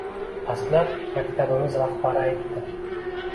Dastlab, maktabimiz rahbari aytdi.